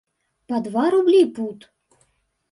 Па два рублі пуд!